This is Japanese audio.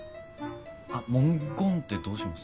あ文言ってどうします？